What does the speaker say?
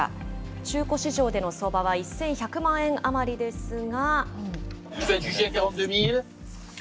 中古市場での相場は１１００万円余りですが。